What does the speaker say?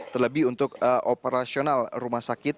terlebih untuk operasional rumah sakit